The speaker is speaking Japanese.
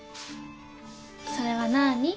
それはなーに？